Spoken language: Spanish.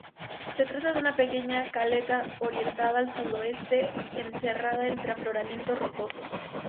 Se trata de una pequeña caleta orientada al sudoeste encerrada entre afloramientos rocosos.